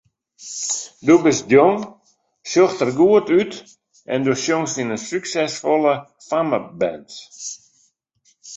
Do bist jong, sjochst der goed út en do sjongst yn in suksesfolle fammeband.